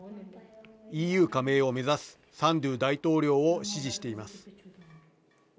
ＥＵ加盟を目指すサンドゥ大統領を支持しています。